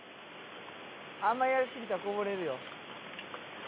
あんまやりすぎたらこぼれるよ。